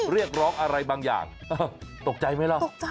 เรียกร้องอะไรบางอย่างตกใจไหมล่ะ